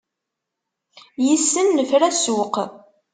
Yid-sen nefra ssuq.